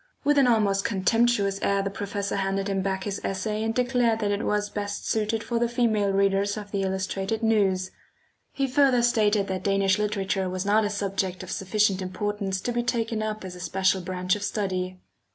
With an almost contemptuous air the professor handed him back his essay and declared that it was best suited for the female readers of the Illustrated News. He further stated that Danish literature was not a subject of sufficient importance to be taken up as a special branch of study.